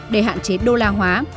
để hạn chế đô la hóa